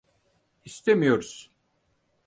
İstemiyoruz.